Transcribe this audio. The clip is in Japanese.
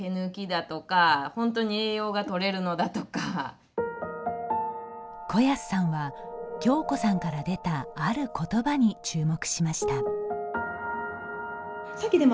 フルグラは小安さんは恭子さんから出たあることばに注目しました。